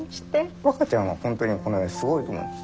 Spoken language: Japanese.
わかちゃんは本当にこの絵すごいと思うんです。